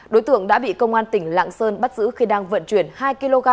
đối tượng đã bị công an tỉnh lạng sơn bắt giữ khi đang vận chuyển hai kg